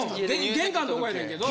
玄関のとこやねんけど。